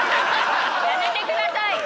やめてください！